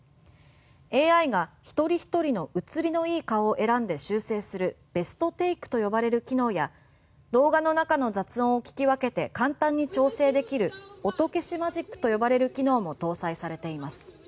ＡＩが１人１人の写りの良い顔を選んで修正するベストテイクと呼ばれる機能や動画の中の雑音を聞き分けて簡単に調整できる音消しマジックと呼ばれる機能も搭載されています。